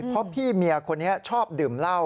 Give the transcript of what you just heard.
เพราะพี่เมียคนนี้ชอบดื่มเหล้า